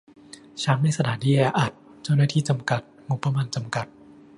ข้างในสถานที่แออัด เจ้าหน้าที่จำกัด งบประมาณจำกัด